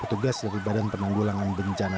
petugas dari badan penanggulangan bencana